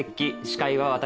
司会は私